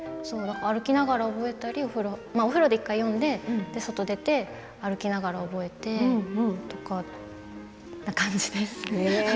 歩きながら覚えたりお風呂で１回読んで外出て歩きながら覚えてとかという感じです。